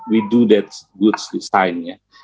kita bisa membuat desain yang baik